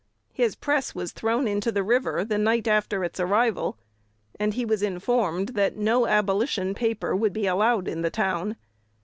His press was thrown into the river the night after its arrival; and he was informed that no abolition paper would be allowed in the town.